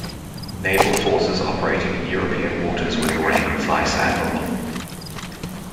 Naval Forces operating in European waters with rank of vice admiral.